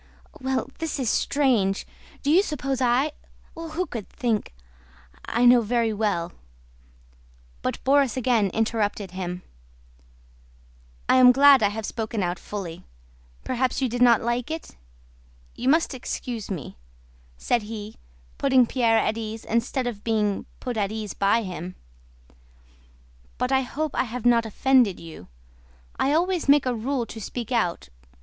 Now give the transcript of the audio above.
"Well, this is strange! Do you suppose I... who could think?... I know very well..." But Borís again interrupted him. "I am glad I have spoken out fully. Perhaps you did not like it? You must excuse me," said he, putting Pierre at ease instead of being put at ease by him, "but I hope I have not offended you. I always make it a rule to speak out...